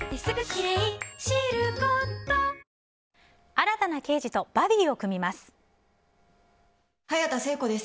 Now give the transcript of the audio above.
新たな刑事とバディーを組みます。